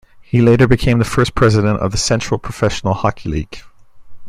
He later became the first president of the Central Professional Hockey League.